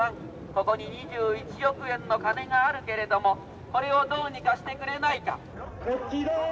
ここに２１億円の金があるけれどもこれをどうにかしてくれないか。